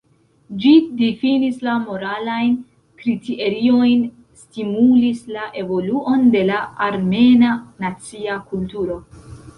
Ĝi difinis la moralajn kriteriojn, stimulis la evoluon de la armena nacia kulturo.